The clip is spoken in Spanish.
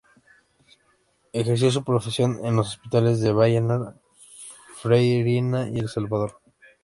Ejerció su profesión en los hospitales de Vallenar, Freirina y El Salvador.